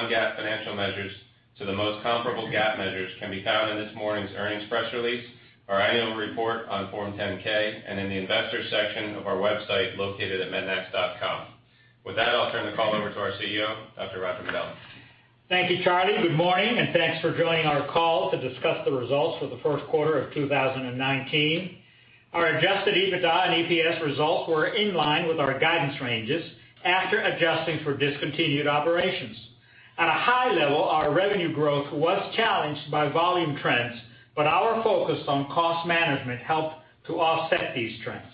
Non-GAAP financial measures to the most comparable GAAP measures can be found in this morning's earnings press release, our annual report on Form 10-K, and in the investors section of our website located at mednax.com. With that, I'll turn the call over to our CEO, Dr. Roger. Thank you, Charlie. Good morning, thanks for joining our call to discuss the results for the first quarter of 2019. Our adjusted EBITDA and EPS results were in line with our guidance ranges after adjusting for discontinued operations. At a high level, our revenue growth was challenged by volume trends, but our focus on cost management helped to offset these trends.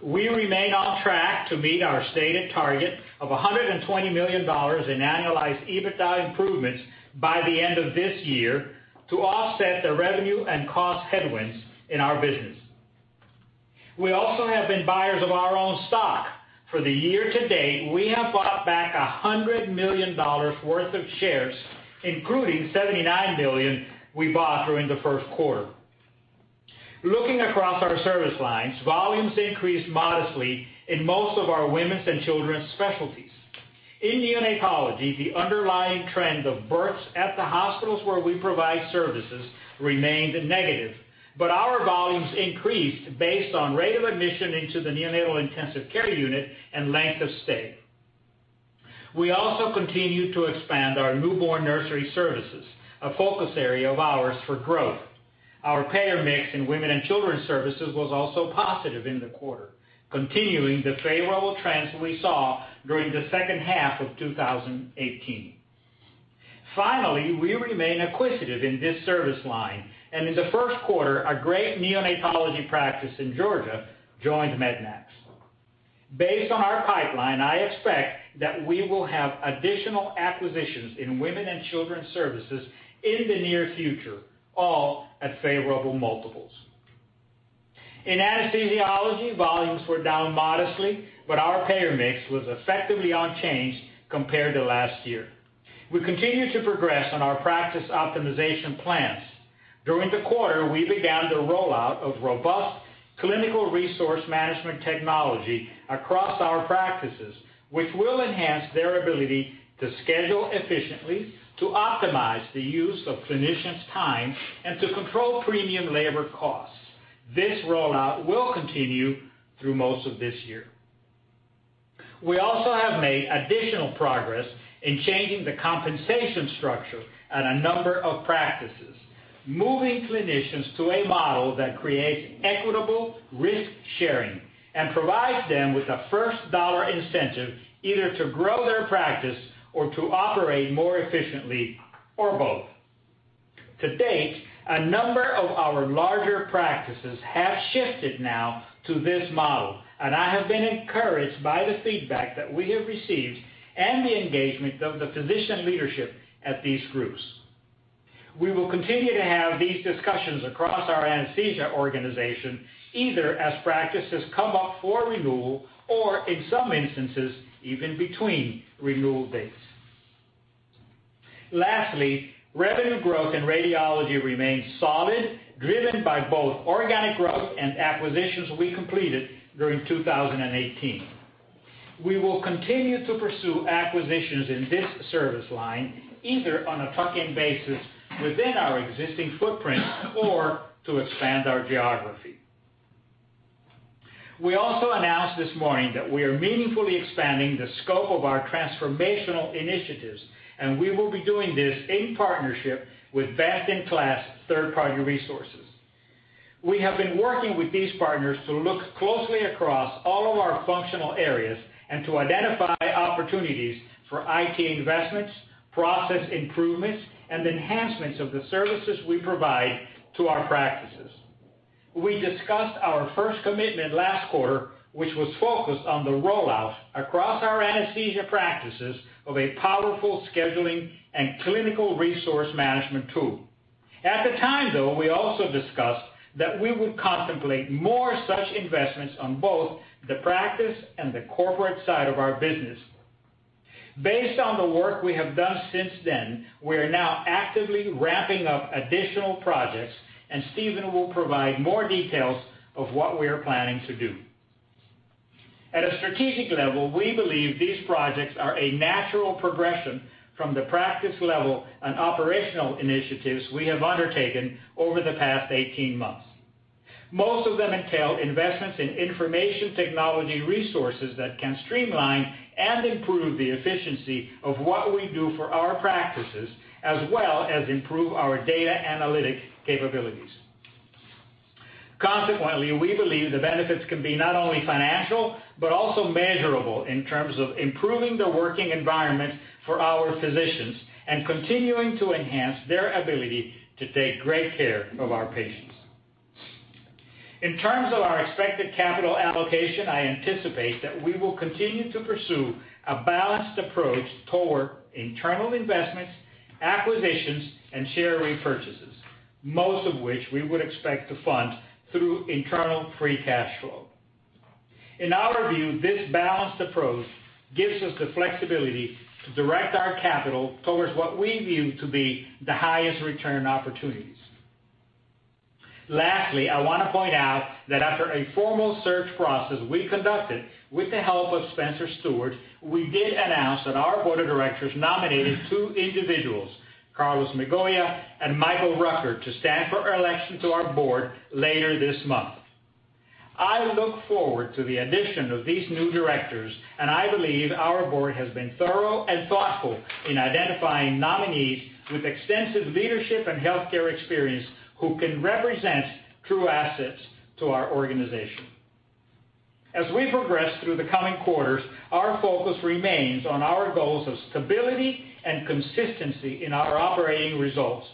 We remain on track to meet our stated target of $120 million in annualized EBITDA improvements by the end of this year to offset the revenue and cost headwinds in our business. We also have been buyers of our own stock. For the year to date, we have bought back $100 million worth of shares, including $79 million we bought during the first quarter. Looking across our service lines, volumes increased modestly in most of our women's and children's specialties. In neonatology, the underlying trend of births at the hospitals where we provide services remained negative, but our volumes increased based on rate of admission into the neonatal intensive care unit and length of stay. We also continued to expand our newborn nursery services, a focus area of ours for growth. Our payer mix in women and children's services was also positive in the quarter, continuing the favorable trends we saw during the second half of 2018. Finally, we remain acquisitive in this service line. In the first quarter, a great neonatology practice in Georgia joined Mednax. Based on our pipeline, I expect that we will have additional acquisitions in women and children's services in the near future, all at favorable multiples. In anesthesiology, volumes were down modestly, but our payer mix was effectively unchanged compared to last year. We continue to progress on our practice optimization plans. During the quarter, we began the rollout of robust clinical resource management technology across our practices, which will enhance their ability to schedule efficiently, to optimize the use of clinicians' time, and to control premium labor costs. This rollout will continue through most of this year. We also have made additional progress in changing the compensation structure at a number of practices, moving clinicians to a model that creates equitable risk-sharing and provides them with a first-dollar incentive either to grow their practice or to operate more efficiently or both. To date, a number of our larger practices have shifted now to this model. I have been encouraged by the feedback that we have received and the engagement of the physician leadership at these groups. We will continue to have these discussions across our anesthesia organization, either as practices come up for renewal or, in some instances, even between renewal dates. Lastly, revenue growth in radiology remains solid, driven by both organic growth and acquisitions we completed during 2018. We will continue to pursue acquisitions in this service line, either on a tuck-in basis within our existing footprint or to expand our geography. We also announced this morning that we are meaningfully expanding the scope of our transformational initiatives, and we will be doing this in partnership with best-in-class third-party resources. We have been working with these partners to look closely across all of our functional areas and to identify opportunities for IT investments, process improvements, and enhancements of the services we provide to our practices. We discussed our first commitment last quarter, which was focused on the rollout across our anesthesia practices of a powerful scheduling and clinical resource management tool. At the time, though, we also discussed that we would contemplate more such investments on both the practice and the corporate side of our business. Based on the work we have done since then, we are now actively ramping up additional projects, and Steven will provide more details of what we are planning to do. At a strategic level, we believe these projects are a natural progression from the practice level and operational initiatives we have undertaken over the past 18 months. Most of them entail investments in information technology resources that can streamline and improve the efficiency of what we do for our practices, as well as improve our data analytic capabilities. Consequently, we believe the benefits can be not only financial, but also measurable in terms of improving the working environment for our physicians and continuing to enhance their ability to take great care of our patients. In terms of our expected capital allocation, I anticipate that we will continue to pursue a balanced approach toward internal investments, acquisitions, and share repurchases, most of which we would expect to fund through internal free cash flow. In our view, this balanced approach gives us the flexibility to direct our capital towards what we view to be the highest return opportunities. Lastly, I want to point out that after a formal search process we conducted with the help of Spencer Stuart, we did announce that our board of directors nominated two individuals, Carlos Migoya and Michael Rucker, to stand for election to our board later this month. I look forward to the addition of these new directors, and I believe our board has been thorough and thoughtful in identifying nominees with extensive leadership and healthcare experience who can represent true assets to our organization. As we progress through the coming quarters, our focus remains on our goals of stability and consistency in our operating results.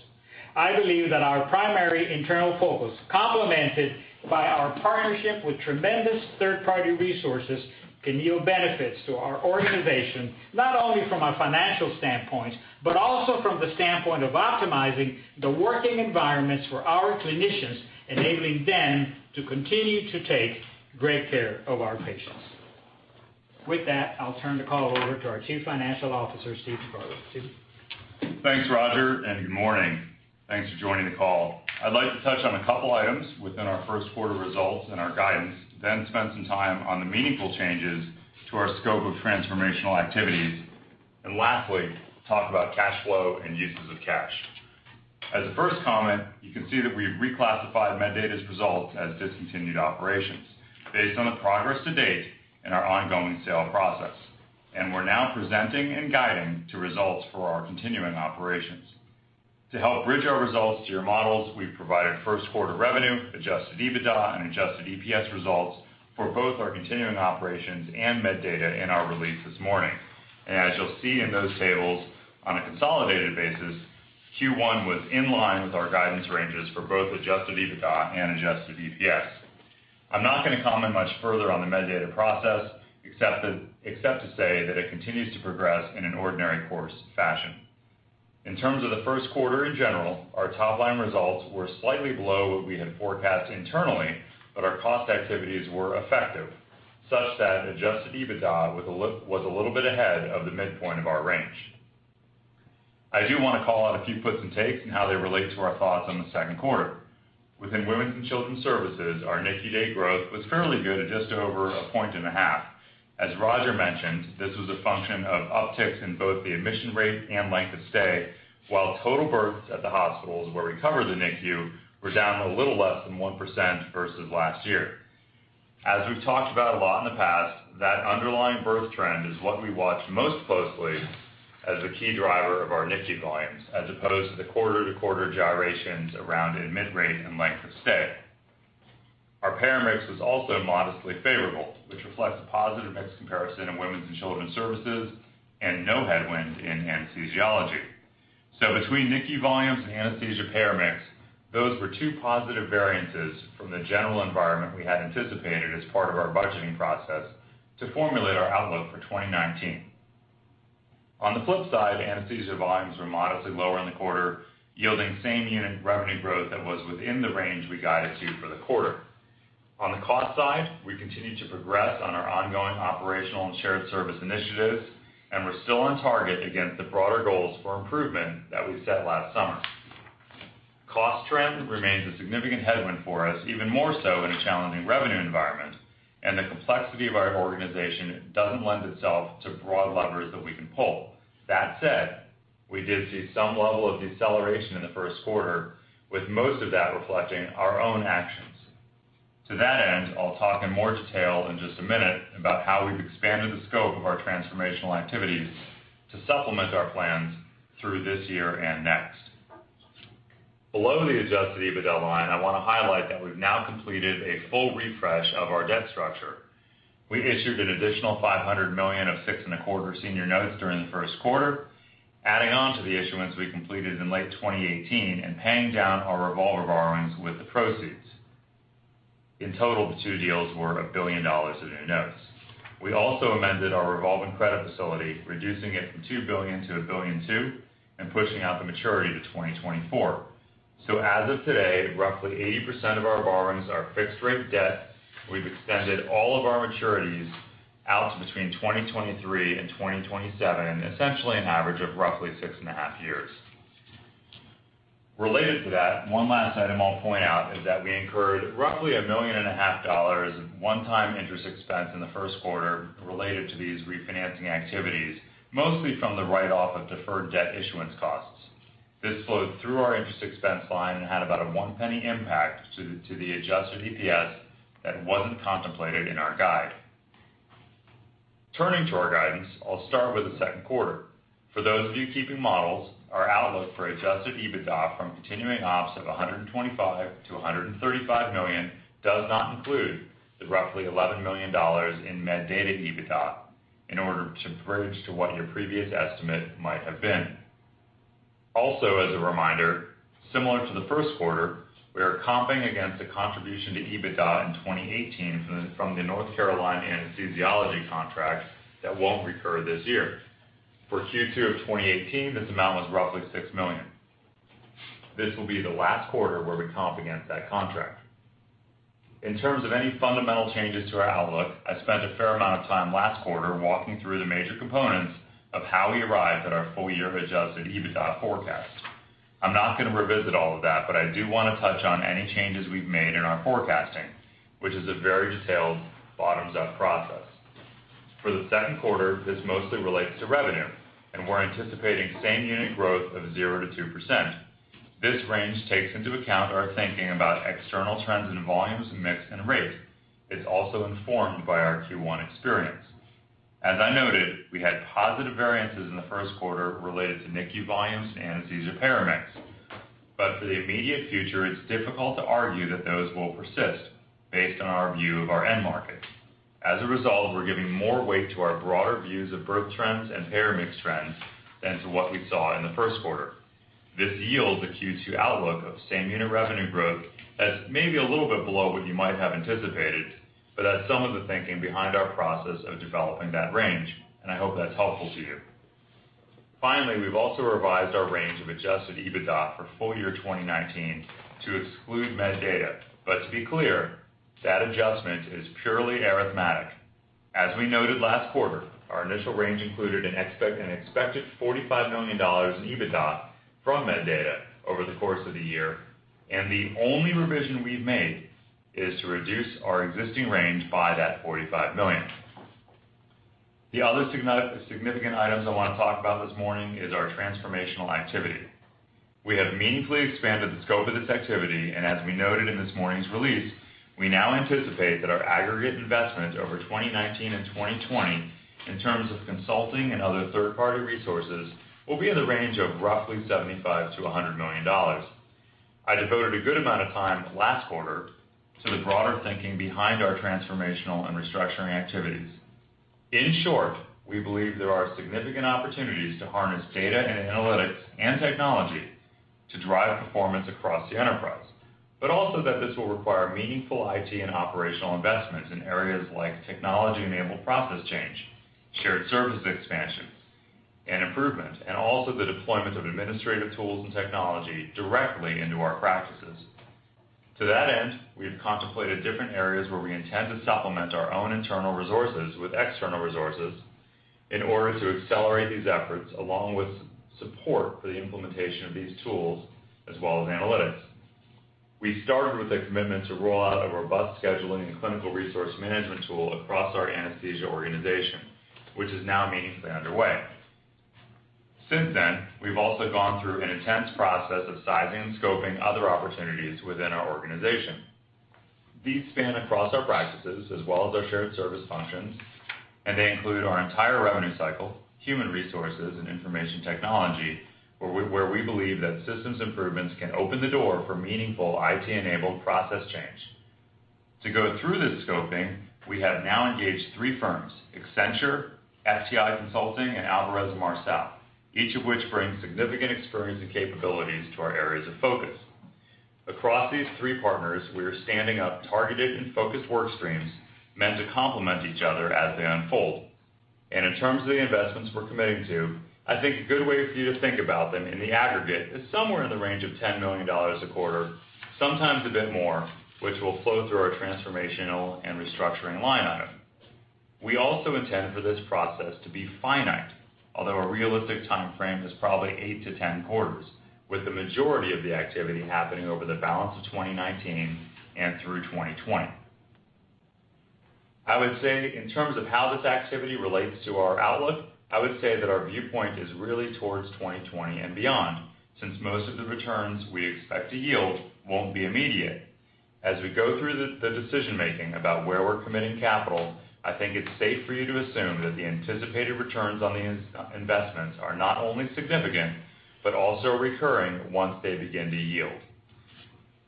I believe that our primary internal focus, complemented by our partnership with tremendous third-party resources, can yield benefits to our organization, not only from a financial standpoint, but also from the standpoint of optimizing the working environments for our clinicians, enabling them to continue to take great care of our patients. With that, I'll turn the call over to our Chief Financial Officer, Steve Debarros. Steve? Thanks, Roger, and good morning. Thanks for joining the call. I'd like to touch on a couple items within our first quarter results and our guidance, then spend some time on the meaningful changes to our scope of transformational activities, and lastly, talk about cash flow and uses of cash. As a first comment, you can see that we've reclassified MedData's results as discontinued operations based on the progress to date in our ongoing sale process, and we're now presenting and guiding to results for our continuing operations. To help bridge our results to your models, we've provided first quarter revenue, adjusted EBITDA, and adjusted EPS results for both our continuing operations and MedData in our release this morning. As you'll see in those tables, on a consolidated basis, Q1 was in line with our guidance ranges for both adjusted EBITDA and adjusted EPS. I'm not going to comment much further on the MedData process except to say that it continues to progress in an ordinary course fashion. In terms of the first quarter in general, our top-line results were slightly below what we had forecast internally, but our cost activities were effective, such that adjusted EBITDA was a little bit ahead of the midpoint of our range. I do want to call out a few puts and takes and how they relate to our thoughts on the second quarter. Within Women's and Children's Services, our NICU day growth was fairly good at just over a point and a half. As Roger mentioned, this was a function of upticks in both the admission rate and length of stay, while total births at the hospitals where we cover the NICU were down a little less than 1% versus last year. As we've talked about a lot in the past, that underlying birth trend is what we watch most closely as the key driver of our NICU volumes as opposed to the quarter-to-quarter gyrations around admit rate and length of stay. Our payer mix was also modestly favorable, which reflects a positive mix comparison in Women's and Children's Services and no headwinds in anesthesiology. Between NICU volumes and anesthesia payer mix, those were two positive variances from the general environment we had anticipated as part of our budgeting process to formulate our outlook for 2019. On the flip side, anesthesia volumes were modestly lower in the quarter, yielding same unit revenue growth that was within the range we guided to for the quarter. On the cost side, we continue to progress on our ongoing operational and shared service initiatives, and we're still on target against the broader goals for improvement that we set last summer. Cost trend remains a significant headwind for us, even more so in a challenging revenue environment, and the complexity of our organization doesn't lend itself to broad levers that we can pull. That said, we did see some level of deceleration in the first quarter, with most of that reflecting our own actions. To that end, I'll talk in more detail in just a minute about how we've expanded the scope of our transformational activities to supplement our plans through this year and next. Below the adjusted EBITDA line, I want to highlight that we've now completed a full refresh of our debt structure. We issued an additional $500 million of 6.25% senior notes during the first quarter, adding on to the issuance we completed in late 2018 and paying down our revolver borrowings with the proceeds. In total, the two deals were $1 billion of new notes. We also amended our revolving credit facility, reducing it from $2 billion to $1.2 billion and pushing out the maturity to 2024. As of today, roughly 80% of our borrowings are fixed-rate debt. We've extended all of our maturities out to between 2023 and 2027, essentially an average of roughly six and a half years. Related to that, one last item I'll point out is that we incurred roughly a million and a half dollars one-time interest expense in the first quarter related to these refinancing activities, mostly from the write-off of deferred debt issuance costs. This flowed through our interest expense line and had about a $0.01 impact to the adjusted EPS that wasn't contemplated in our guide. Turning to our guidance, I'll start with the second quarter. For those of you keeping models, our outlook for adjusted EBITDA from continuing ops of $125 million-$135 million does not include the roughly $11 million in MedData EBITDA in order to bridge to what your previous estimate might have been. Also, as a reminder, similar to the first quarter, we are comping against the contribution to EBITDA in 2018 from the North Carolina anesthesiology contract that won't recur this year. For Q2 of 2018, this amount was roughly $6 million. This will be the last quarter where we comp against that contract. In terms of any fundamental changes to our outlook, I spent a fair amount of time last quarter walking through the major components of how we arrived at our full-year adjusted EBITDA forecast. I'm not going to revisit all of that, but I do want to touch on any changes we've made in our forecasting, which is a very detailed bottoms-up process. For the second quarter, this mostly relates to revenue, and we're anticipating same-unit growth of 0%-2%. This range takes into account our thinking about external trends in volumes, mix, and rate. It's also informed by our Q1 experience. As I noted, we had positive variances in the first quarter related to NICU volumes and anesthesia payer mix. For the immediate future, it's difficult to argue that those will persist based on our view of our end markets. As a result, we're giving more weight to our broader views of birth trends and payer mix trends than to what we saw in the first quarter. This yields a Q2 outlook of same-unit revenue growth that's maybe a little bit below what you might have anticipated, that's some of the thinking behind our process of developing that range, I hope that's helpful to you. Finally, we've also revised our range of adjusted EBITDA for full year 2019 to exclude MedData. To be clear, that adjustment is purely arithmetic. As we noted last quarter, our initial range included an expected $45 million in EBITDA from MedData over the course of the year, and the only revision we've made is to reduce our existing range by that $45 million. The other significant items I want to talk about this morning is our transformational activity. We have meaningfully expanded the scope of this activity, and as we noted in this morning's release, we now anticipate that our aggregate investment over 2019 and 2020 in terms of consulting and other third-party resources will be in the range of roughly $75 million-$100 million. I devoted a good amount of time last quarter to the broader thinking behind our transformational and restructuring activities. In short, we believe there are significant opportunities to harness data and analytics and technology to drive performance across the enterprise. But also that this will require meaningful IT and operational investments in areas like technology-enabled process change, shared service expansion and improvement, and also the deployment of administrative tools and technology directly into our practices. To that end, we have contemplated different areas where we intend to supplement our own internal resources with external resources in order to accelerate these efforts, along with support for the implementation of these tools as well as analytics. We started with a commitment to roll out a robust scheduling and clinical resource management tool across our anesthesia organization, which is now meaningfully underway. Since then, we've also gone through an intense process of sizing and scoping other opportunities within our organization. These span across our practices as well as our shared service functions, and they include our entire revenue cycle, human resources, and information technology, where we believe that systems improvements can open the door for meaningful IT-enabled process change. To go through this scoping, we have now engaged three firms, Accenture, FTI Consulting, and Alvarez & Marsal, each of which brings significant experience and capabilities to our areas of focus. Across these three partners, we are standing up targeted and focused work streams meant to complement each other as they unfold. And in terms of the investments we're committing to, I think a good way for you to think about them in the aggregate is somewhere in the range of $10 million a quarter, sometimes a bit more, which will flow through our transformational and restructuring line item. We also intend for this process to be finite, although a realistic timeframe is probably 8-10 quarters, with the majority of the activity happening over the balance of 2019 and through 2020. I would say in terms of how this activity relates to our outlook, I would say that our viewpoint is really towards 2020 and beyond, since most of the returns we expect to yield won't be immediate. As we go through the decision-making about where we're committing capital, I think it's safe for you to assume that the anticipated returns on the investments are not only significant, but also recurring once they begin to yield.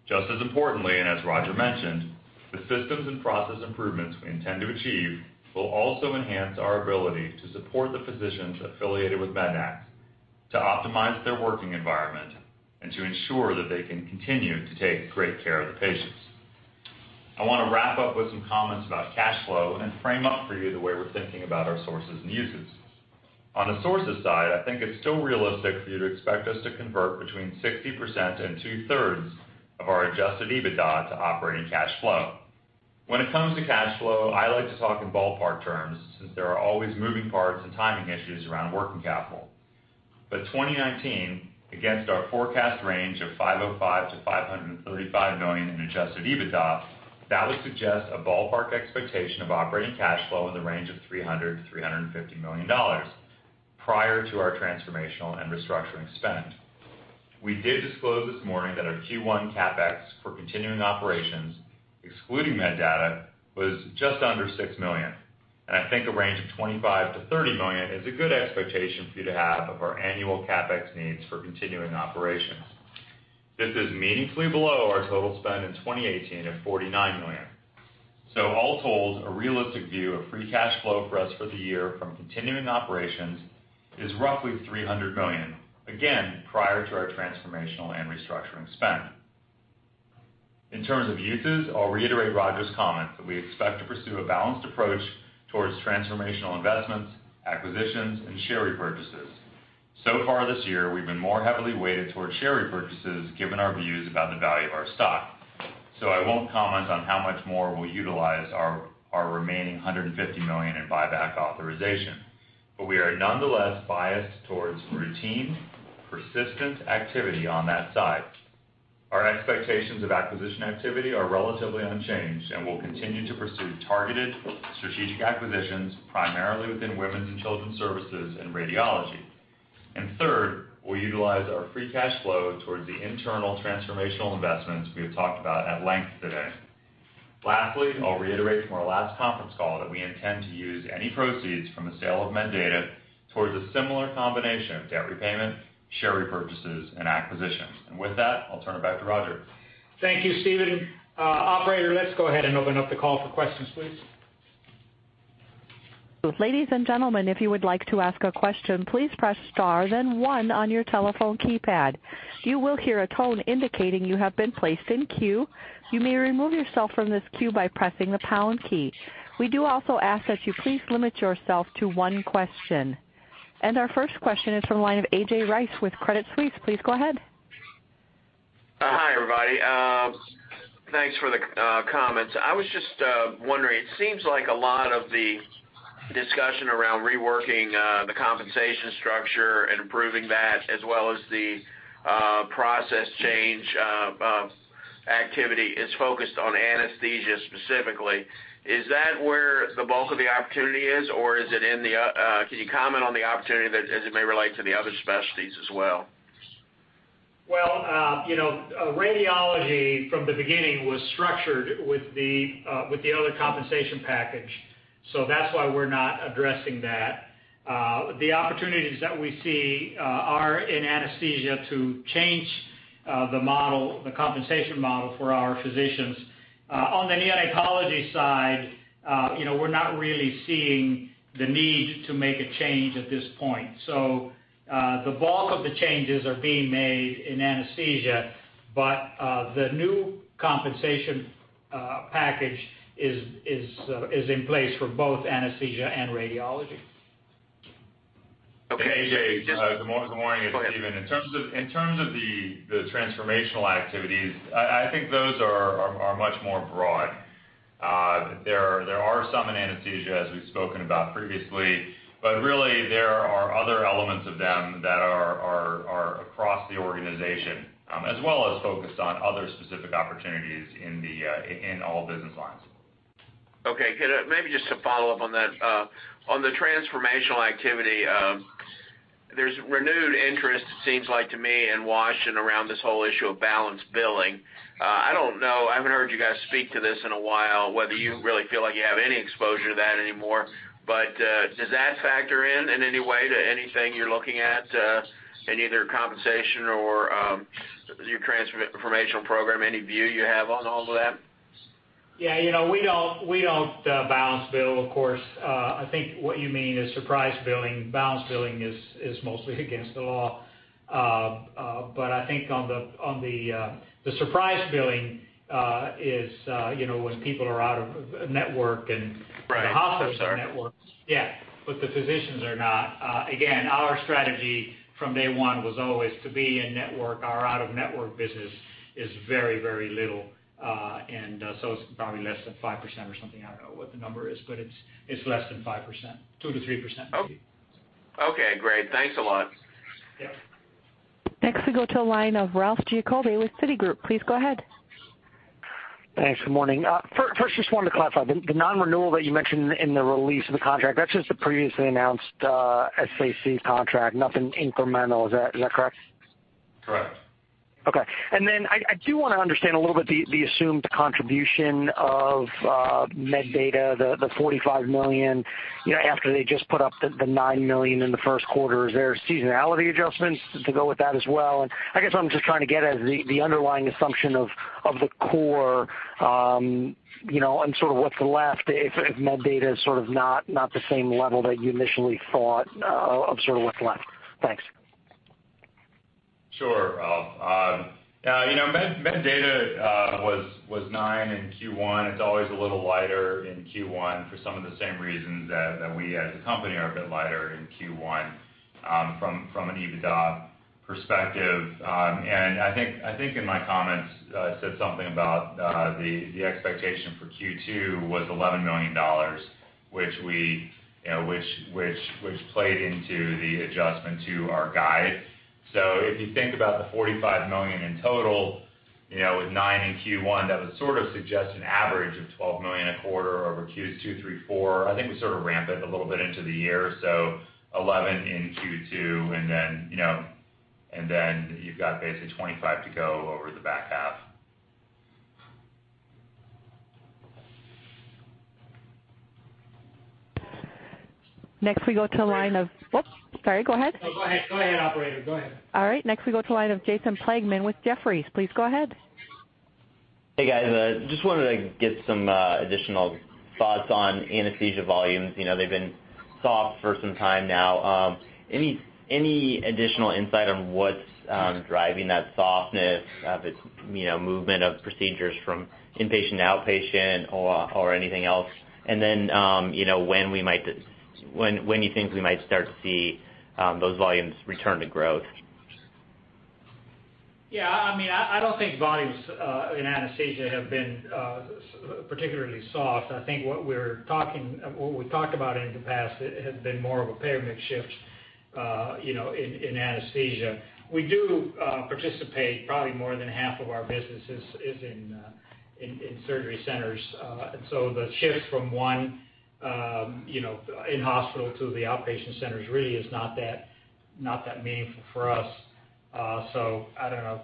Just as importantly, as Roger mentioned, the systems and process improvements we intend to achieve will also enhance our ability to support the physicians affiliated with Pediatrix Medical Group to optimize their working environment and to ensure that they can continue to take great care of the patients. I want to wrap up with some comments about cash flow and then frame up for you the way we're thinking about our sources and uses. On the sources side, I think it's still realistic for you to expect us to convert between 60% and two-thirds of our adjusted EBITDA to operating cash flow. When it comes to cash flow, I like to talk in ballpark terms since there are always moving parts and timing issues around working capital. 2019, against our forecast range of $505 million-$535 million in adjusted EBITDA, that would suggest a ballpark expectation of operating cash flow in the range of $300 million-$350 million prior to our transformational and restructuring spend. We did disclose this morning that our Q1 CapEx for continuing operations, excluding MedData, was just under $6 million, and I think a range of $25 million-$30 million is a good expectation for you to have of our annual CapEx needs for continuing operations. This is meaningfully below our total spend in 2018 of $49 million. All told, a realistic view of free cash flow for us for the year from continuing operations is roughly $300 million, again, prior to our transformational and restructuring spend. In terms of uses, I'll reiterate Roger's comment that we expect to pursue a balanced approach towards transformational investments, acquisitions, and share repurchases. So far this year, we've been more heavily weighted towards share repurchases given our views about the value of our stock. I won't comment on how much more we'll utilize our remaining $150 million in buyback authorization, but we are nonetheless biased towards routine, persistent activity on that side. Our expectations of acquisition activity are relatively unchanged, and we'll continue to pursue targeted strategic acquisitions, primarily within women's and children's services and radiology. Third, we'll utilize our free cash flow towards the internal transformational investments we have talked about at length today. Lastly, I'll reiterate from our last conference call that we intend to use any proceeds from the sale of MedData towards a similar combination of debt repayment, share repurchases, and acquisitions. With that, I'll turn it back to Roger. Thank you, Steven. Operator, let's go ahead and open up the call for questions, please. Ladies and gentlemen, if you would like to ask a question, please press star then one on your telephone keypad. You will hear a tone indicating you have been placed in queue. You may remove yourself from this queue by pressing the pound key. We do also ask that you please limit yourself to one question. Our first question is from the line of A.J. Rice with Credit Suisse. Please go ahead. Hi, everybody. Thanks for the comments. I was just wondering, it seems like a lot of the discussion around reworking the compensation structure and improving that, as well as the process change of activity is focused on anesthesia specifically. Is that where the bulk of the opportunity is, or can you comment on the opportunity as it may relate to the other specialties as well? Radiology from the beginning was structured with the other compensation package. That's why we're not addressing that. The opportunities that we see are in anesthesia to change the compensation model for our physicians. On the neonatology side, we're not really seeing the need to make a change at this point. The bulk of the changes are being made in anesthesia, but the new compensation package is in place for both anesthesia and radiology. AJ, good morning. It's Steven. In terms of the transformational activities, I think those are much more broad. There are some in anesthesia, as we've spoken about previously, really there are other elements of them that are across the organization, as well as focused on other specific opportunities in all business lines. Okay. Maybe just to follow up on that. On the transformational activity, there's renewed interest, it seems like to me, in Washington around this whole issue of balance billing. I don't know, I haven't heard you guys speak to this in a while, whether you really feel like you have any exposure to that anymore. Does that factor in in any way to anything you're looking at in either compensation or your transformational program? Any view you have on all of that? Yeah, we don't balance bill, of course. I think what you mean is surprise billing. Balance billing is mostly against the law. I think the surprise billing is when people are out of network. Right. The hospitals are in network. Yeah, the physicians are not. Again, our strategy from day one was always to be in network. Our out-of-network business is very little, it's probably less than 5% or something. I don't know what the number is, it's less than 5%, 2%-3%. Okay, great. Thanks a lot. Yeah. Next we go to the line of Ralph Giacobbe with Citigroup. Please go ahead. Thanks. Morning. First, just wanted to clarify, the non-renewal that you mentioned in the release of the contract, that's just the previously announced SAC contract, nothing incremental. Is that correct? Correct. Okay. Then I do want to understand a little bit the assumed contribution of MedData, the $45 million, after they just put up the $9 million in the first quarter. Is there seasonality adjustments to go with that as well? I guess I'm just trying to get at the underlying assumption of the core, and sort of what's left if MedData is not the same level that you initially thought of what's left. Thanks. Sure, Ralph. MedData was $9 in Q1. It's always a little lighter in Q1 for some of the same reasons that we as a company are a bit lighter in Q1 from an EBITDA perspective. I think in my comments I said something about the expectation for Q2 was $11 million, which played into the adjustment to our guide. If you think about the $45 million in total, with $9 in Q1, that would sort of suggest an average of $12 million a quarter over Q2, Q3, Q4. I think we sort of ramp it a little bit into the year. $11 in Q2, and then you've got basically $25 to go over the back half. Next we go to the line of. Go ahead. No, go ahead, operator. Go ahead. Next we go to the line of Jason Plagman with Jefferies. Please go ahead. Hey, guys. Just wanted to get some additional thoughts on anesthesia volumes. They've been soft for some time now. Any additional insight on what's driving that softness? If it's movement of procedures from inpatient to outpatient or anything else? When you think we might start to see those volumes return to growth? Yeah. I don't think volumes in anesthesia have been particularly soft. I think what we've talked about in the past has been more of a payment shift in anesthesia. We do participate, probably more than half of our business is in surgery centers. The shift from one in-hospital to the outpatient centers really is not that meaningful for us. I don't know.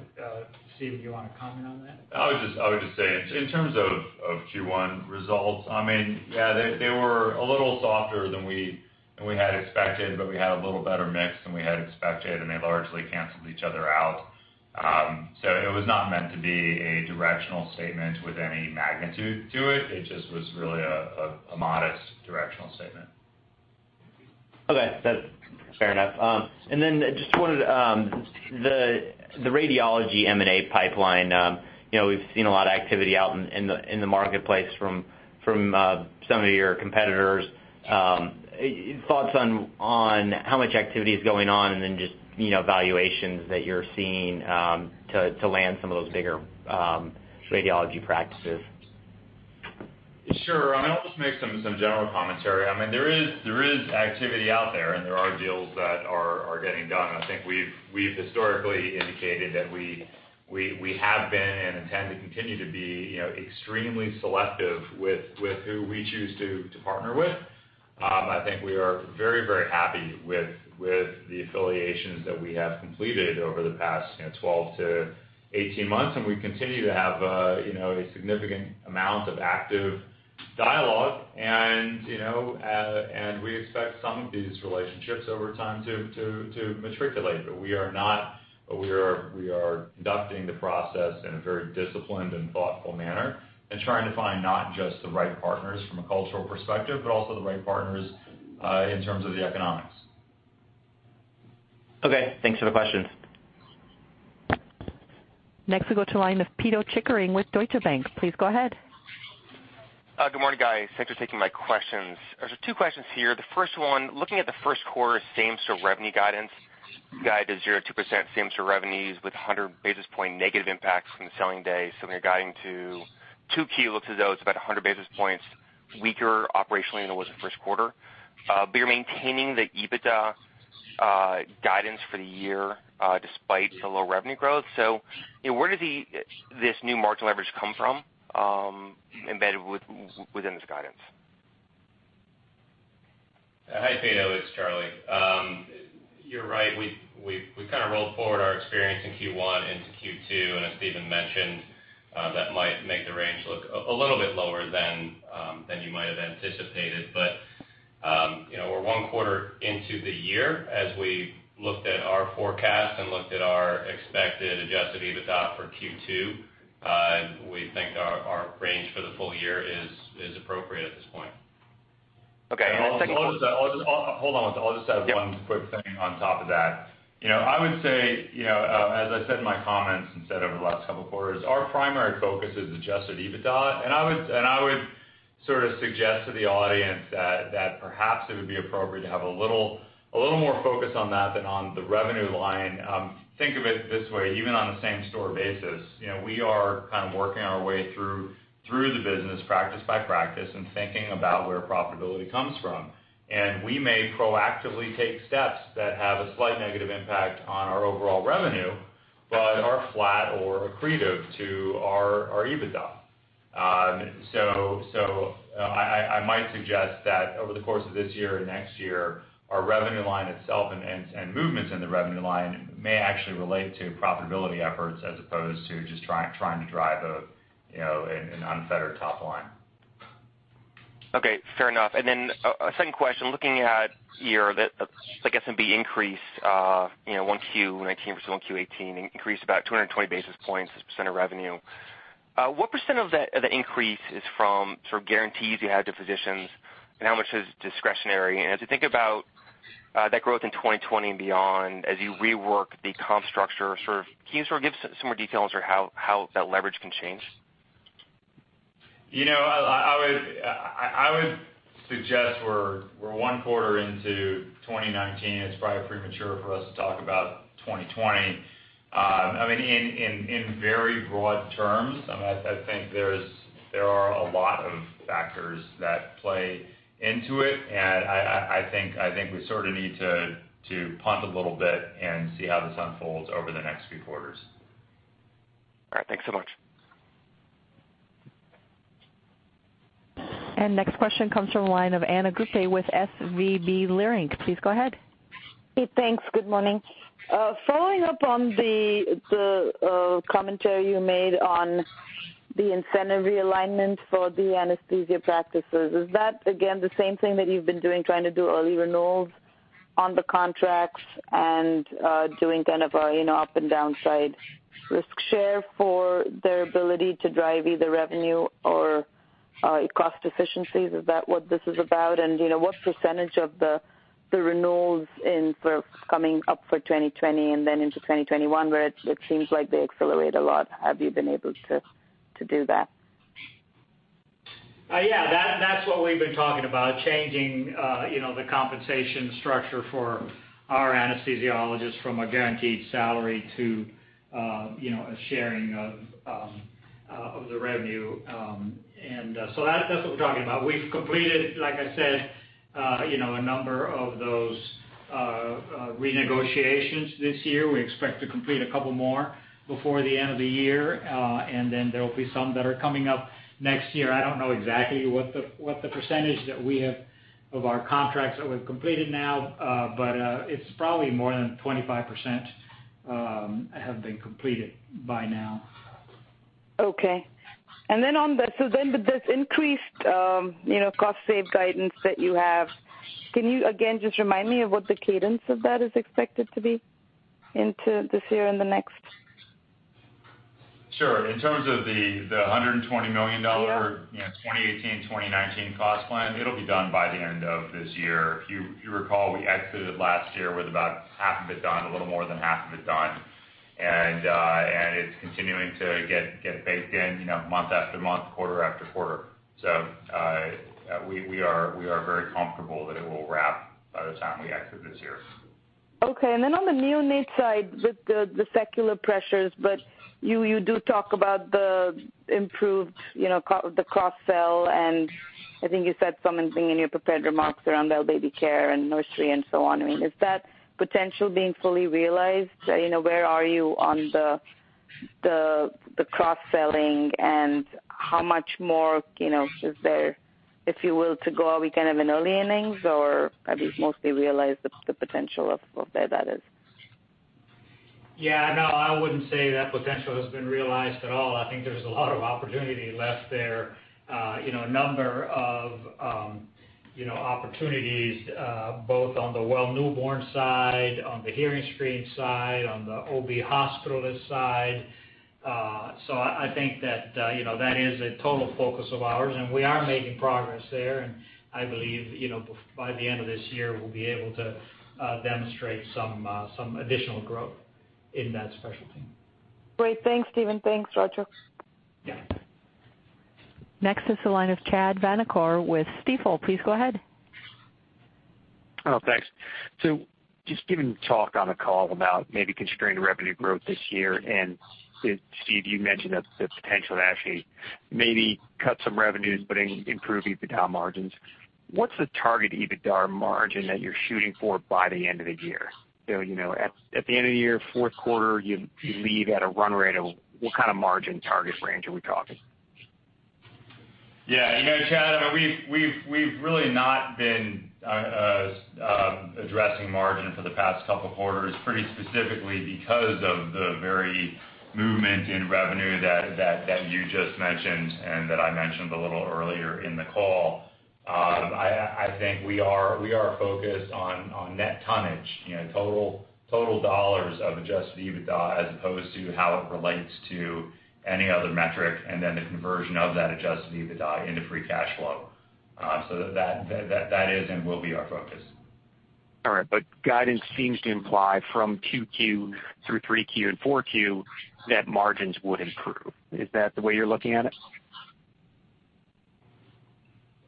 Steven, do you want to comment on that? I would just say, in terms of Q1 results, yeah, they were a little softer than we had expected, but we had a little better mix than we had expected, and they largely canceled each other out. It was not meant to be a directional statement with any magnitude to it. It just was really a modest directional statement. Okay. That's fair enough. I just wanted, the radiology M&A pipeline. We've seen a lot of activity out in the marketplace from some of your competitors. Thoughts on how much activity is going on, and then just valuations that you're seeing to land some of those bigger radiology practices. Sure. I'll just make some general commentary. There is activity out there, and there are deals that are getting done, and I think we've historically indicated that we have been and intend to continue to be extremely selective with who we choose to partner with. I think we are very happy with the affiliations that we have completed over the past 12 to 18 months, and we continue to have a significant amount of active dialogue. We expect some of these relationships over time to matriculate. We are conducting the process in a very disciplined and thoughtful manner and trying to find not just the right partners from a cultural perspective, but also the right partners in terms of the economics. Okay, thanks for the question. Next we go to line of Pito Chickering with Deutsche Bank. Please go ahead. Good morning, guys. Thanks for taking my questions. There are two questions here. The first one, looking at the first quarter same-store revenue guidance, guide to zero to 2% same-store revenues with 100 basis points negative impacts from the selling day. When you're guiding to 2Q, looks as though it's about 100 basis points weaker operationally than it was the first quarter. You're maintaining the EBITDA guidance for the year despite the low revenue growth. Where does this new margin leverage come from embedded within this guidance? Hi, Pito, it's Charlie. You're right. We've kind of rolled forward our experience in Q1 into Q2, and as Steven mentioned, that might make the range look a little bit lower than you might have anticipated. We're one quarter into the year. As we looked at our forecast and looked at our expected adjusted EBITDA for Q2, we think our range for the full year is appropriate at this point. Okay. Hold on. I'll just add one quick thing on top of that. I would say, as I said in my comments and said over the last couple of quarters, our primary focus is adjusted EBITDA. I would sort of suggest to the audience that perhaps it would be appropriate to have a little more focus on that than on the revenue line. Think of it this way, even on a same-store basis, we are kind of working our way through the business practice by practice and thinking about where profitability comes from. We may proactively take steps that have a slight negative impact on our overall revenue, but are flat or accretive to our EBITDA. I might suggest that over the course of this year and next year, our revenue line itself and movements in the revenue line may actually relate to profitability efforts as opposed to just trying to drive an unfettered top line. Okay, fair enough. Then a second question, looking at year, the SWB increase, 1Q 2019 versus 1Q 2018 increased about 220 basis points as a % of revenue. What % of the increase is from sort of guarantees you had to physicians, and how much is discretionary? As you think about that growth in 2020 and beyond, as you rework the comp structure, can you sort of give some more details for how that leverage can change? I would suggest we're one quarter into 2019. It's probably premature for us to talk about 2020. In very broad terms, I think there are a lot of factors that play into it, and I think we sort of need to punt a little bit and see how this unfolds over the next few quarters. All right, thanks so much. Next question comes from the line of Ana Gupte with SVB Leerink. Please go ahead. Hey, thanks. Good morning. Following up on the commentary you made on the incentive realignment for the anesthesia practices, is that again, the same thing that you've been doing, trying to do early renewals on the contracts and doing kind of an up and down side risk share for their ability to drive either revenue or cost efficiencies? Is that what this is about? What percentage of the renewals coming up for 2020 and then into 2021, where it seems like they accelerate a lot? Have you been able to do that? Yeah, that's what we've been talking about, changing the compensation structure for our anesthesiologists from a guaranteed salary to a sharing of the revenue. That's what we're talking about. We've completed, like I said, a number of those renegotiations this year. We expect to complete a couple more before the end of the year, and then there will be some that are coming up next year. I don't know exactly what the percentage that we have of our contracts that we've completed now, but it's probably more than 25% have been completed by now. Okay. With this increased cost save guidance that you have, can you again just remind me of what the cadence of that is expected to be into this year and the next? Sure. In terms of the $120 million- Yeah 2018, 2019 cost plan, it'll be done by the end of this year. If you recall, we exited last year with about half of it done, a little more than half of it done. It's continuing to get baked in month after month, quarter after quarter. We are very comfortable that it will wrap by the time we exit this year. Okay. On the new need side with the secular pressures, but you do talk about the improved cross-sell, and I think you said something in your prepared remarks around ill baby care and nursery and so on. I mean, is that potential being fully realized? Where are you on the cross-selling and how much more is there, if you will, to go? Are we kind of in early innings, or have you mostly realized the potential of where that is? Yeah, no, I wouldn't say that potential has been realized at all. I think there's a lot of opportunity left there. A number of opportunities, both on the well newborn side, on the hearing screen side, on the OB hospitalist side. I think that is a total focus of ours, and we are making progress there, and I believe, by the end of this year, we'll be able to demonstrate some additional growth in that specialty. Great. Thanks, Steven. Thanks, Roger. Yeah. Next is the line of Chad Vanacore with Stifel. Please go ahead. Oh, thanks. Just given the talk on the call about maybe constrained revenue growth this year, and Steven, you mentioned the potential to actually maybe cut some revenues but improve EBITDA margins. What's the target EBITDA margin that you're shooting for by the end of the year? At the end of the year, fourth quarter, you leave at a run rate of what kind of margin target range are we talking? Chad, I mean, we've really not been addressing margin for the past couple of quarters, pretty specifically because of the very movement in revenue that you just mentioned and that I mentioned a little earlier in the call. I think we are focused on net tonnage, total dollars of adjusted EBITDA as opposed to how it relates to any other metric, and then the conversion of that adjusted EBITDA into free cash flow. That is and will be our focus. All right. Guidance seems to imply from 2Q through 3Q and 4Q that margins would improve. Is that the way you're looking at it?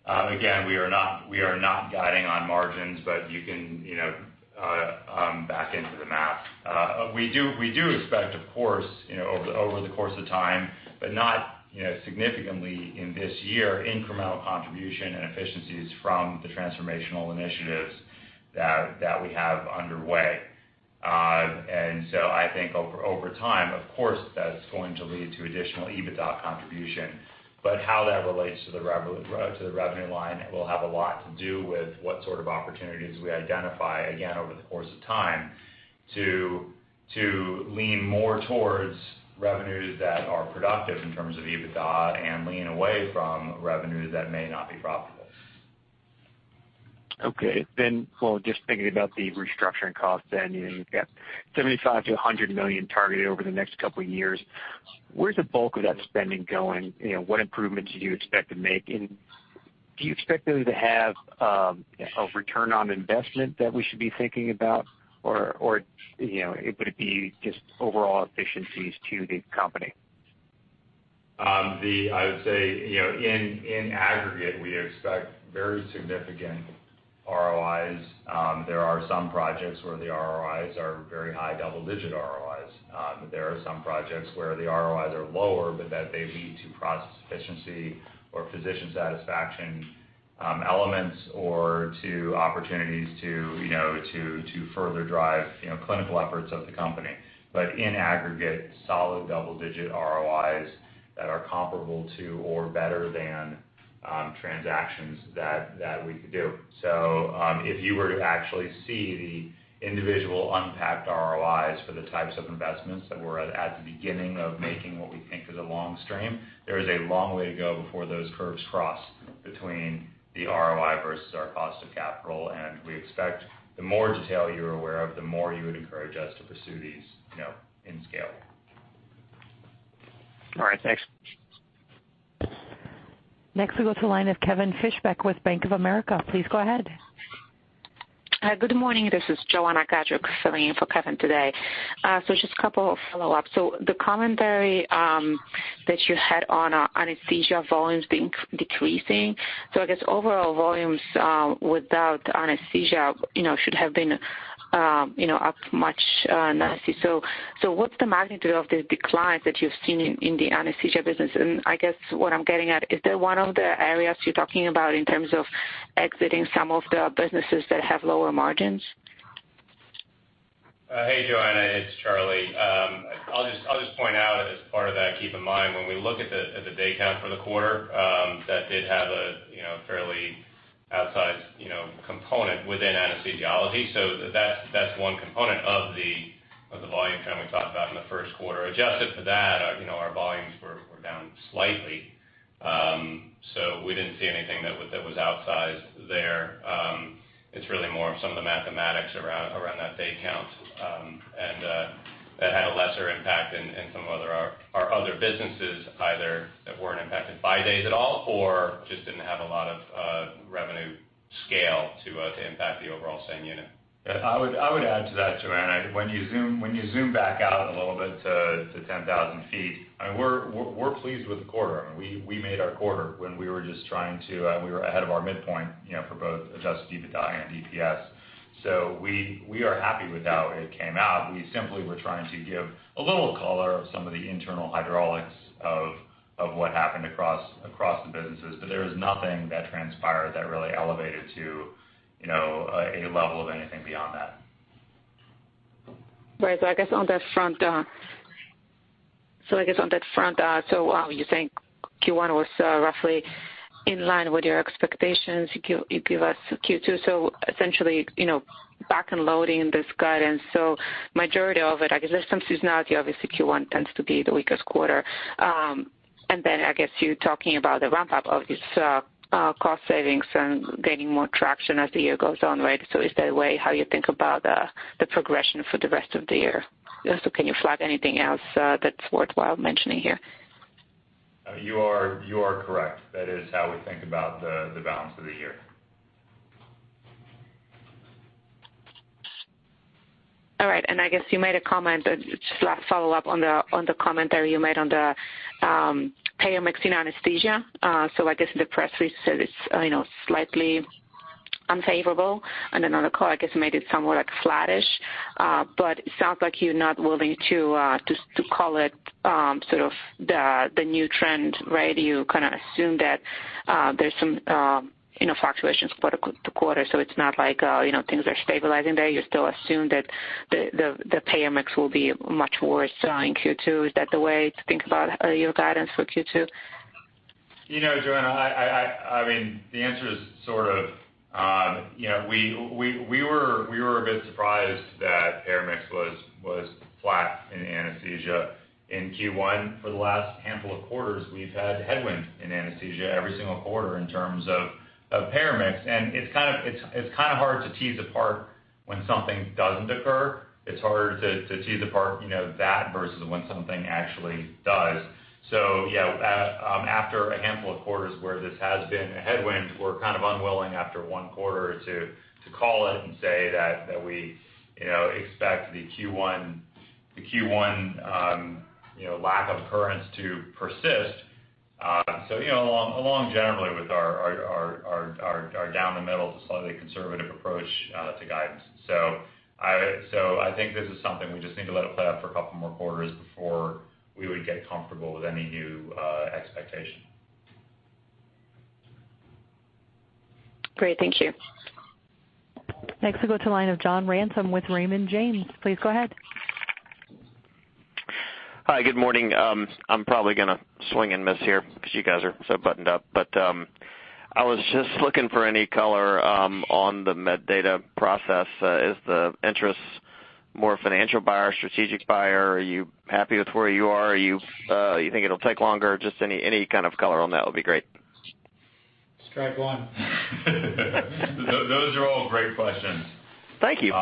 Again, we are not guiding on margins, but you can back into the math. We do expect, of course, over the course of time, but not significantly in this year, incremental contribution and efficiencies from the transformational initiatives that we have underway. I think over time, of course, that's going to lead to additional EBITDA contribution. How that relates to the revenue line will have a lot to do with what sort of opportunities we identify, again, over the course of time to lean more towards revenues that are productive in terms of EBITDA and lean away from revenues that may not be profitable. Okay, well, just thinking about the restructuring costs then, you've got $75 million-$100 million targeted over the next couple of years. Where's the bulk of that spending going? What improvements do you expect to make? Do you expect those to have a ROI that we should be thinking about? Would it be just overall efficiencies to the company? I would say, in aggregate, we expect very significant ROIs. There are some projects where the ROIs are very high double-digit ROIs. There are some projects where the ROIs are lower, but that they lead to process efficiency or physician satisfaction elements or to opportunities to further drive clinical efforts of the company. In aggregate, solid double-digit ROIs that are comparable to or better than transactions that we could do. If you were to actually see the individual unpacked ROIs for the types of investments that we're at the beginning of making what we think is a long stream, there is a long way to go before those curves cross between the ROI versus our cost of capital, we expect the more detail you're aware of, the more you would encourage us to pursue these in scale. All right, thanks. Next we go to the line of Kevin Fischbeck with Bank of America. Please go ahead. Good morning. This is Joanna Gadre, filling in for Kevin today. Just a couple of follow-ups. The commentary that you had on anesthesia volumes decreasing. I guess overall volumes without anesthesia should have been up much nicely. What's the magnitude of the decline that you've seen in the anesthesia business? And I guess what I'm getting at, is that one of the areas you're talking about in terms of exiting some of the businesses that have lower margins? Hey, Joanna, it's Charlie. I'll just point out as part of that, keep in mind when we look at the day count for the quarter, that did have a fairly outsized component within anesthesiology. That's one component of the volume trend we talked about in the first quarter. Adjusted for that, our volumes were down slightly. We didn't see anything that was outsized there. It's really more of some of the mathematics around that day count. That had a lesser impact in some of our other businesses either that weren't impacted by days at all or just didn't have a lot of revenue scale to impact the overall same unit. I would add to that, Joanna, when you zoom back out a little bit to 10,000 feet, we're pleased with the quarter. We made our quarter when we were ahead of our midpoint for both adjusted EBITDA and EPS. We are happy with how it came out. We simply were trying to give a little color of some of the internal hydraulics of what happened across the businesses. There was nothing that transpired that really elevated to a level of anything beyond that. Right. I guess on that front, you think Q1 was roughly in line with your expectations. You give us Q2, essentially, back-end loading this guidance, majority of it, I guess there's some seasonality. Obviously, Q1 tends to be the weakest quarter. Then I guess you talking about the ramp-up of these cost savings and gaining more traction as the year goes on, right? Is that the way how you think about the progression for the rest of the year? Also, can you flag anything else that's worthwhile mentioning here? You are correct. That is how we think about the balance for the year. All right. I guess you made a comment, just last follow-up on the commentary you made on the payor mix in anesthesia. I guess the press release said it's slightly unfavorable. Another call, I guess, made it somewhat flattish. It sounds like you're not willing to call it the new trend, right? You kind of assume that there's some fluctuations quarter to quarter, so it's not like things are stabilizing there. You still assume that the payor mix will be much worse in Q2. Is that the way to think about your guidance for Q2? Joanna, the answer is sort of. We were a bit surprised that payor mix was flat in anesthesia in Q1. For the last handful of quarters, we've had headwind in anesthesia every single quarter in terms of payor mix, it's kind of hard to tease apart when something doesn't occur. It's harder to tease apart that versus when something actually does. Yeah, after a handful of quarters where this has been a headwind, we're kind of unwilling after one quarter to call it and say that we expect the Q1 lack of occurrence to persist. Along generally with our down the middle to slightly conservative approach to guidance. I think this is something we just need to let it play out for a couple more quarters before we would get comfortable with any new expectation. Great. Thank you. Next we go to the line of John Ransom with Raymond James. Please go ahead. Hi, good morning. I'm probably going to swing and miss here because you guys are so buttoned up, but I was just looking for any color on the MedData process. Is the interest more financial buyer, strategic buyer? Are you happy with where you are? You think it'll take longer? Just any kind of color on that would be great. Strike one. Those are all great questions. Thank you.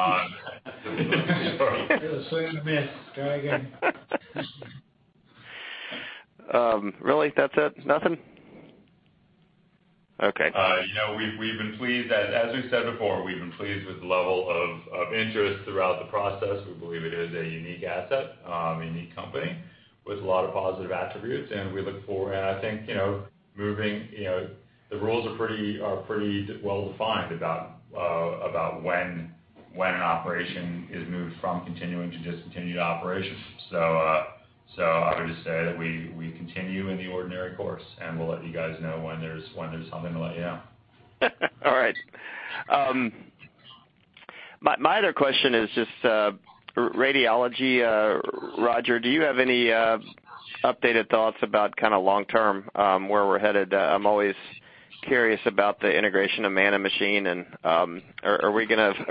Swing and a miss. Try again. Really? That's it? Nothing? Okay. As we said before, we've been pleased with the level of interest throughout the process. We believe it is a unique asset, a unique company with a lot of positive attributes. I think, the rules are pretty well-defined about when an operation is moved from continuing to discontinued operations. I would just say that we continue in the ordinary course, and we'll let you guys know when there's something to let you know. All right. My other question is just radiology. Roger, do you have any updated thoughts about long term, where we're headed? I'm always curious about the integration of man and machine, and are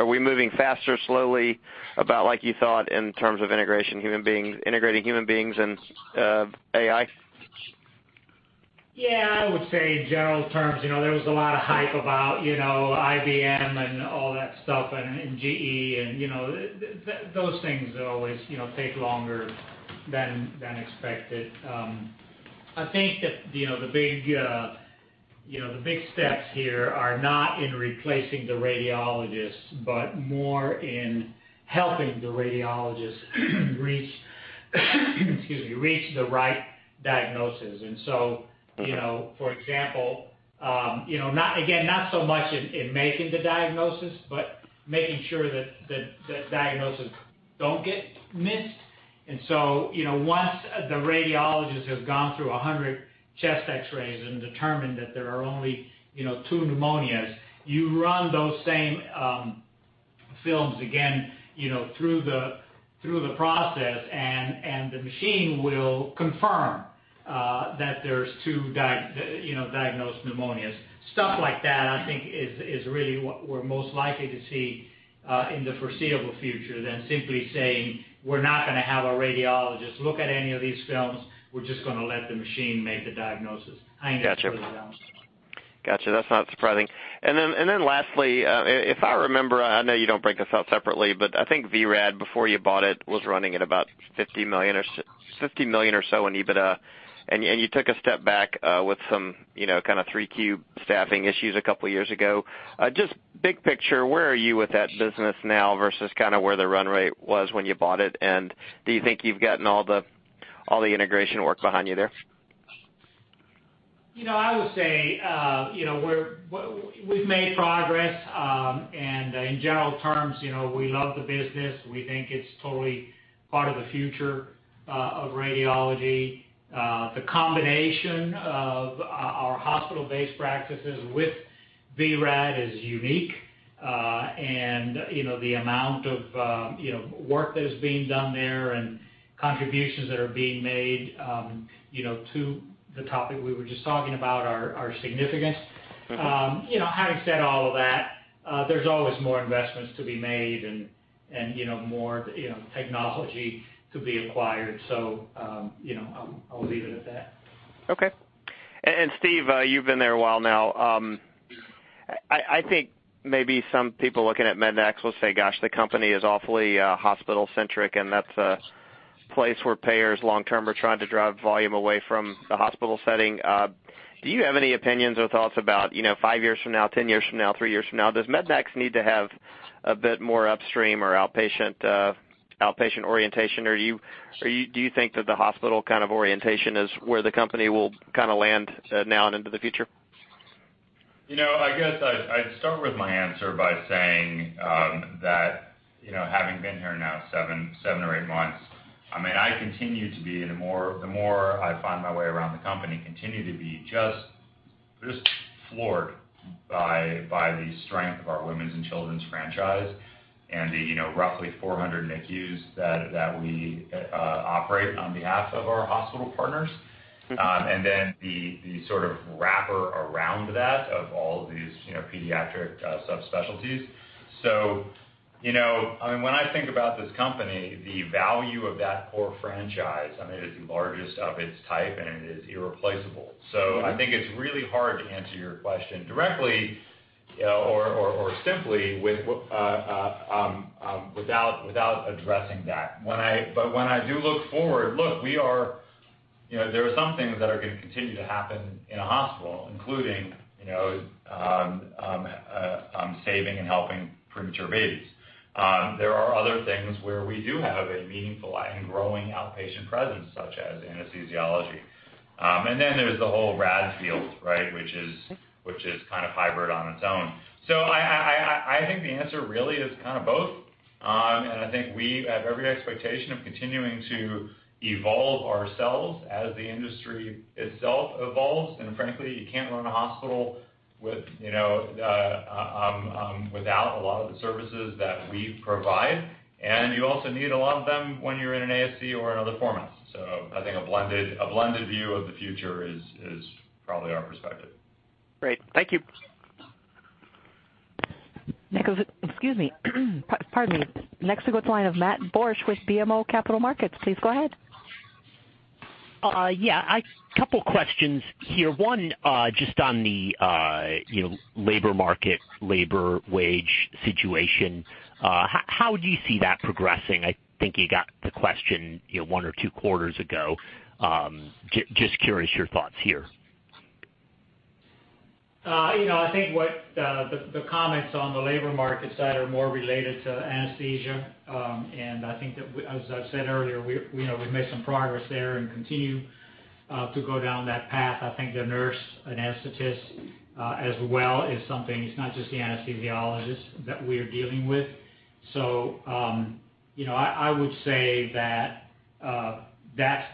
we moving faster, slowly, about like you thought in terms of integrating human beings and AI? Yeah, I would say in general terms, there was a lot of hype about IBM and all that stuff and GE, and those things always take longer than expected. I think that the big steps here are not in replacing the radiologists, but more in helping the radiologists reach the right diagnosis. For example, again, not so much in making the diagnosis, but making sure that diagnoses don't get missed. Once the radiologist has gone through 100 chest X-rays and determined that there are only two pneumonias, you run those same films again through the process, and the machine will confirm that there's two diagnosed pneumonias. Stuff like that, I think is really what we're most likely to see in the foreseeable future than simply saying, "We're not going to have a radiologist look at any of these films. We're just going to let the machine make the diagnosis." I think that's really balanced. Got you. That's not surprising. Lastly, if I remember, I know you don't break this out separately, but I think vRad, before you bought it, was running at about $50 million or so in EBITDA. You took a step back with some three-cube staffing issues a couple of years ago. Just big picture, where are you with that business now versus where the run rate was when you bought it, and do you think you've gotten all the integration work behind you there? I would say we've made progress. In general terms, we love the business. We think it's totally part of the future of radiology. The combination of our hospital-based practices with vRad is unique. The amount of work that is being done there and contributions that are being made to the topic we were just talking about are significant. Having said all of that, there's always more investments to be made and more technology to be acquired. I'll leave it at that. Okay. Steven, you've been there a while now. I think maybe some people looking at Mednax will say, "Gosh, the company is awfully hospital-centric," and that's a place where payers long-term are trying to drive volume away from the hospital setting. Do you have any opinions or thoughts about five years from now, 10 years from now, three years from now? Does Mednax need to have a bit more upstream or outpatient orientation, or do you think that the hospital orientation is where the company will land now and into the future? I guess I'd start with my answer by saying that, having been here now seven or eight months, the more I find my way around the company, continue to be just floored by the strength of our women's and children's franchise and the roughly 400 NICUs that we operate on behalf of our hospital partners. Then the sort of wrapper around that of all of these pediatric subspecialties. When I think about this company, the value of that core franchise, I mean, it is the largest of its type, and it is irreplaceable. I think it's really hard to answer your question directly or simply without addressing that. When I do look forward, look, there are some things that are going to continue to happen in a hospital, including saving and helping premature babies. There are other things where we do have a meaningful and growing outpatient presence, such as anesthesiology. Then there's the whole rad field, which is kind of hybrid on its own. I think the answer really is both. I think we have every expectation of continuing to evolve ourselves as the industry itself evolves. Frankly, you can't run a hospital without a lot of the services that we provide. You also need a lot of them when you're in an ASC or in other formats. I think a blended view of the future is probably our perspective. Great. Thank you. Next, excuse me. Pardon me. Next, we go to the line of Matt Borsch with BMO Capital Markets. Please go ahead. Yeah. A couple questions here. One, just on the labor market, labor wage situation, how do you see that progressing? I think you got the question one or two quarters ago. Just curious your thoughts here. I think the comments on the labor market side are more related to anesthesia. I think that, as I've said earlier, we've made some progress there and continue to go down that path. I think the nurse anesthetist as well is something, it's not just the anesthesiologist that we're dealing with. I would say that's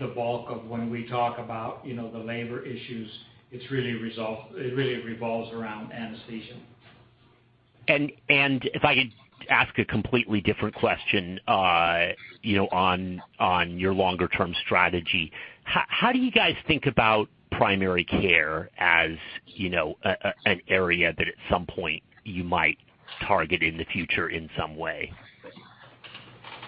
the bulk of when we talk about the labor issues. It really revolves around anesthesia. If I could ask a completely different question on your longer term strategy, how do you guys think about primary care as an area that at some point you might target in the future in some way?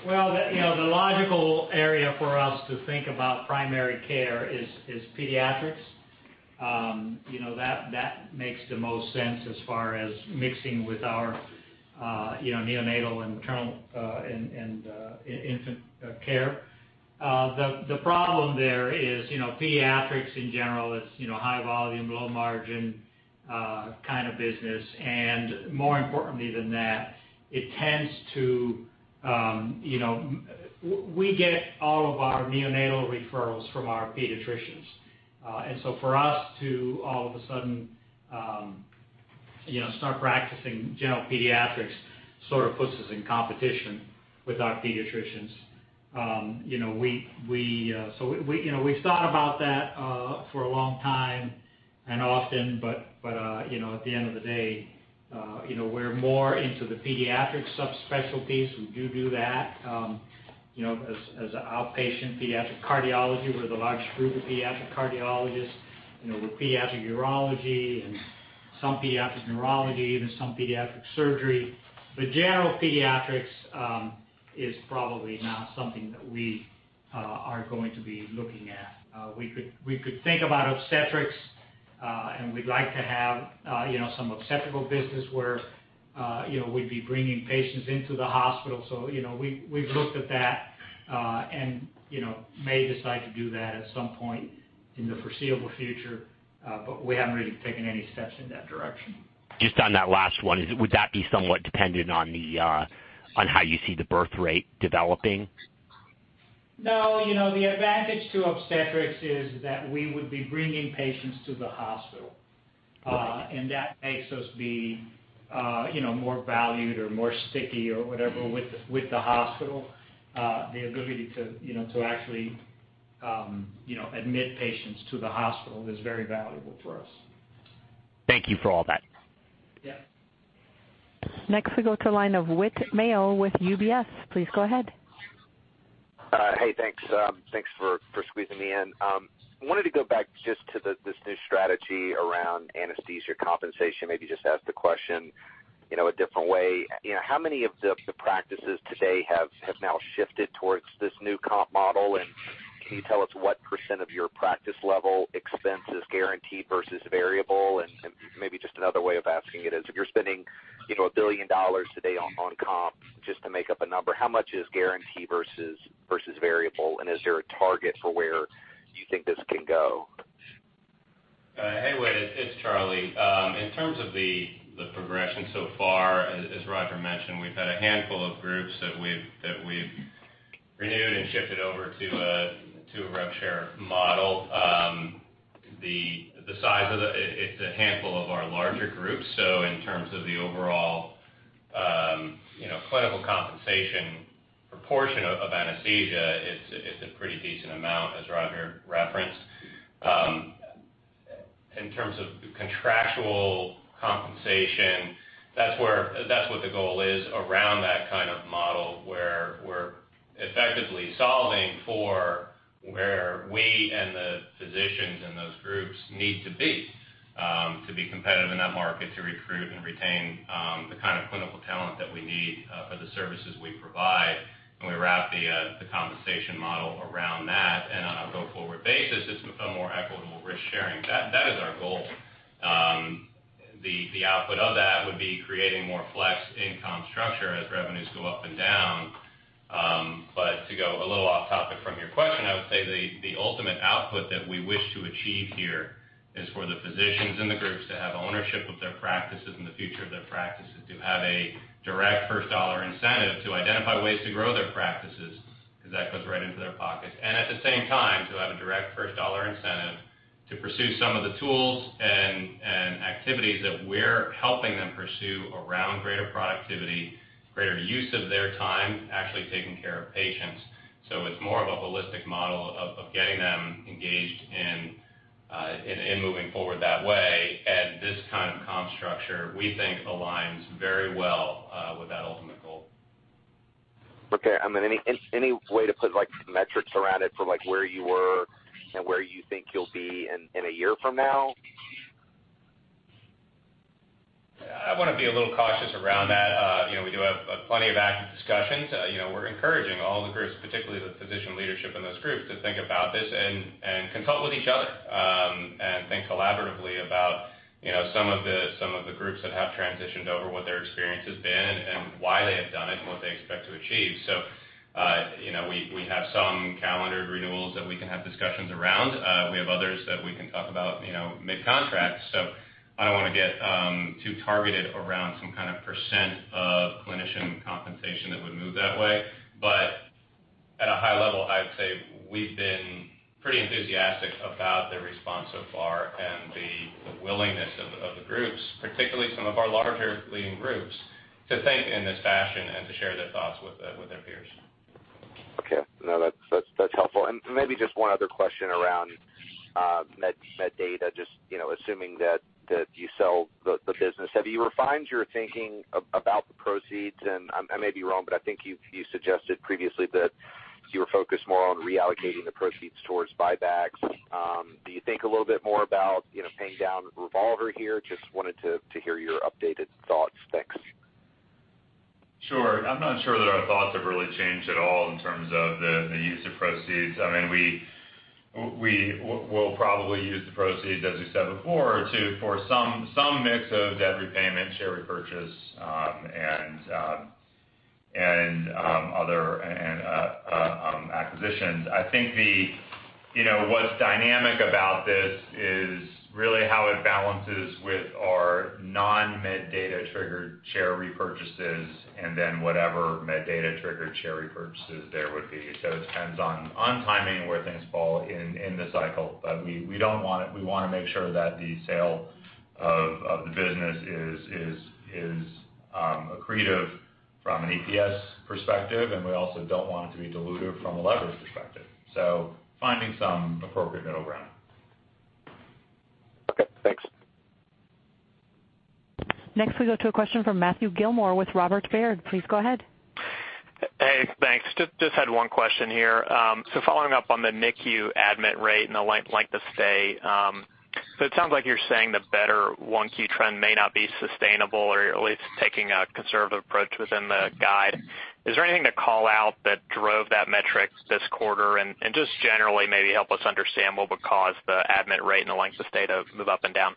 Well, the logical area for us to think about primary care is pediatrics. That makes the most sense as far as mixing with our neonatal and maternal and infant care. The problem there is, pediatrics in general, it's high volume, low margin kind of business. More importantly than that, we get all of our neonatal referrals from our pediatricians. For us to all of a sudden start practicing general pediatrics sort of puts us in competition with our pediatricians. We've thought about that for a long time and often, but at the end of the day, we're more into the pediatric subspecialties. We do that as outpatient pediatric cardiology. We're the largest group of pediatric cardiologists, with pediatric urology and some pediatric neurology, even some pediatric surgery. General pediatrics is probably not something that we are going to be looking at. We could think about obstetrics, we'd like to have some obstetrical business where we'd be bringing patients into the hospital. We've looked at that, and may decide to do that at some point in the foreseeable future. We haven't really taken any steps in that direction. Just on that last one, would that be somewhat dependent on how you see the birth rate developing? No. The advantage to obstetrics is that we would be bringing patients to the hospital. Okay. That makes us be more valued or more sticky or whatever with the hospital. The ability to actually admit patients to the hospital is very valuable for us. Thank you for all that. Yeah. Next we go to the line of Whit Mayo with UBS. Please go ahead. Hey, thanks. Thanks for squeezing me in. I wanted to go back just to this new strategy around anesthesia compensation, maybe just ask the question a different way. How many of the practices today have now shifted towards this new comp model? Can you tell us what % of your practice level expense is guaranteed versus variable? Maybe just another way of asking it is, if you're spending $1 billion today on comp, just to make up a number, how much is guaranteed versus variable? Is there a target for where you think this can go? Hey, Whit, it's Charlie. In terms of the progression so far, as Roger mentioned, we've had a handful of groups that we've renewed and shifted over to a rev share model. The size of it's a handful of our larger groups. In terms of the overall clinical compensation proportion of anesthesia, it's a pretty decent amount, as Roger referenced. In terms of contractual compensation, that's what the goal is around that kind of model, where we're effectively solving for where we and the physicians in those groups need to be to be competitive in that market, to recruit and retain the kind of clinical talent that we need for the services we provide. We wrap the compensation model around that. On a go-forward basis, it's a more equitable risk-sharing. That is our goal. The output of that would be creating more flex in comp structure as revenues go up and down. To go a little off-topic from your question, I would say the ultimate output that we wish to achieve here is for the physicians in the groups to have ownership of their practices and the future of their practices, to have a direct first-dollar incentive to identify ways to grow their practices, because that goes right into their pockets. At the same time, to have a direct first-dollar incentive to pursue some of the tools and activities that we're helping them pursue around greater productivity, greater use of their time, actually taking care of patients. It's more of a holistic model of getting them engaged and moving forward that way. This kind of comp structure, we think, aligns very well with that ultimate goal. Okay. Any way to put metrics around it for where you were and where you think you'll be in a year from now? I want to be a little cautious around that. We do have plenty of active discussions. We're encouraging all the groups, particularly the physician leadership in those groups, to think about this and consult with each other, and think collaboratively about some of the groups that have transitioned over, what their experience has been, and why they have done it, and what they expect to achieve. We have some calendared renewals that we can have discussions around. We have others that we can talk about mid-contract. I don't want to get too targeted around some kind of % of clinician compensation that would move that way. At a high level, I'd say we've been pretty enthusiastic about the response so far and the willingness of the groups, particularly some of our larger leading groups, to think in this fashion and to share their thoughts with their peers. Okay. No, that's helpful. Maybe just one other question around MedData, just assuming that you sell the business. Have you refined your thinking about the proceeds? I may be wrong, but I think you suggested previously that you were focused more on reallocating the proceeds towards buybacks. Do you think a little bit more about paying down revolver here? Just wanted to hear your updated thoughts. Thanks. Sure. I'm not sure that our thoughts have really changed at all in terms of the use of proceeds. We will probably use the proceeds, as we said before, for some mix of debt repayment, share repurchase, and acquisitions. I think what's dynamic about this is really how it balances with our non-MedData triggered share repurchases and then whatever MedData triggered share repurchases there would be. It depends on timing and where things fall in the cycle. We want to make sure that the sale of the business is accretive from an EPS perspective, and we also don't want it to be dilutive from a leverage perspective. Finding some appropriate middle ground. Okay, thanks. Next, we go to a question from Matthew Gillmor with Robert W. Baird. Please go ahead. Hey, thanks. Just had one question here. Following up on the NICU admit rate and the length of stay. It sounds like you're saying the better 1Q trend may not be sustainable or you're at least taking a conservative approach within the guide. Is there anything to call out that drove that metric this quarter? Just generally, maybe help us understand what would cause the admit rate and the length of stay to move up and down.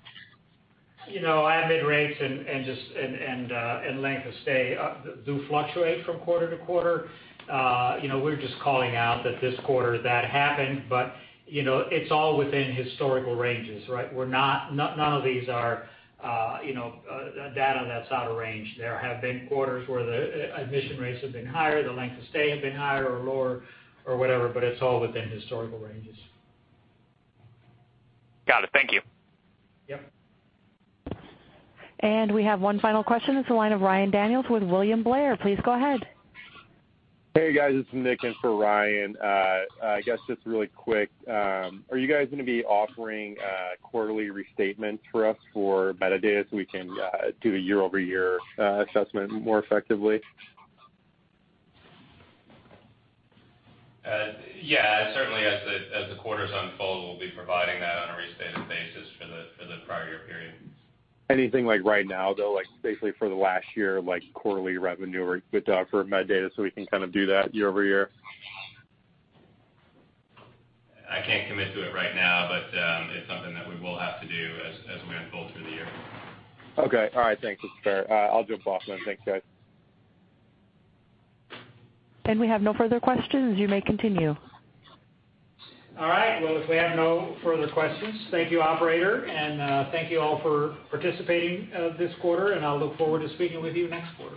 Admit rates and length of stay do fluctuate from quarter to quarter. We're just calling out that this quarter that happened, it's all within historical ranges, right? None of these are data that's out of range. There have been quarters where the admission rates have been higher, the length of stay have been higher or lower or whatever, it's all within historical ranges. Got it. Thank you. Yep. We have one final question. It's the line of Ryan Daniels with William Blair. Please go ahead. Hey, guys, this is Nick in for Ryan. I guess just really quick, are you guys going to be offering quarterly restatements for us for MedData so we can do a year-over-year assessment more effectively? Yeah. Certainly, as the quarters unfold, we'll be providing that on a restated basis for the prior year periods. Anything like right now, though, like basically for the last year, like quarterly revenue for MedData, we can kind of do that year-over-year? I can't commit to it right now, it's something that we will have to do as we unfold through the year. Okay. All right. Thanks. It's fair. I'll jump off then. Thanks, guys. We have no further questions. You may continue. All right, well, if we have no further questions, thank you, operator, and thank you all for participating this quarter, and I'll look forward to speaking with you next quarter.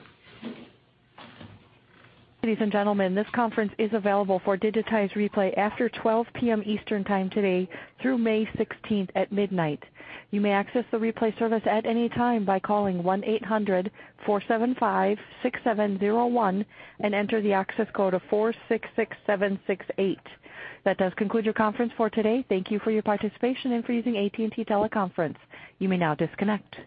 Ladies and gentlemen, this conference is available for digitized replay after 12:00 P.M. Eastern time today through May 16th at midnight. You may access the replay service at any time by calling 1-800-475-6701 and enter the access code of 466768. That does conclude your conference for today. Thank you for your participation and for using AT&T Teleconference. You may now disconnect.